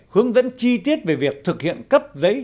hướng dẫn chi tiết về việc thực hiện cấp giấy